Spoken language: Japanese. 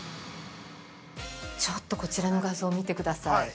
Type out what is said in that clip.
◆ちょっとこちらの画像を見てください。